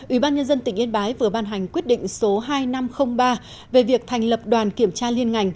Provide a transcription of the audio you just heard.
ubnd tỉnh yên bái vừa ban hành quyết định số hai nghìn năm trăm linh ba về việc thành lập đoàn kiểm tra liên ngành